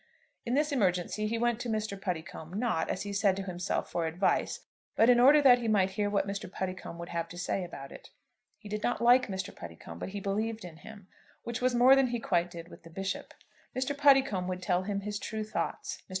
In this emergency he went to Mr. Puddicombe, not, as he said to himself, for advice, but in order that he might hear what Mr. Puddicombe would have to say about it. He did not like Mr. Puddicombe, but he believed in him, which was more than he quite did with the Bishop. Mr. Puddicombe would tell him his true thoughts. Mr.